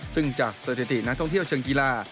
ซึ่งจากสถิตินักท่องเที่ยวเชิงกีฬา